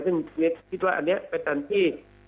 สิ่งที่ผมคิดว่าอันนี้เป็นอันที่